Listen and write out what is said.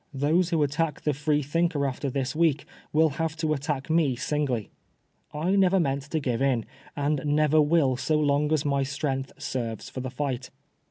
Those who attack the Freethinker after this week will have to attack me singly. I never meant to give in, and never will so loi^ as my strei^h serves for the fight.